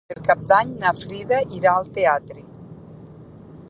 Per Cap d'Any na Frida irà al teatre.